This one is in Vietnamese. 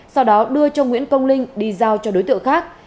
sau đó đưa cho nguyễn công linh đi giao cho đối tượng khác